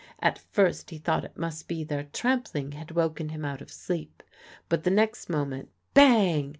At first he thought it must be their trampling had woke him out of sleep, but the next moment _bang!